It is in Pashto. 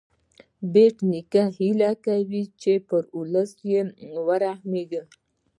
بېټ نیکه هیله کوي چې پر ولس ورحمېږې.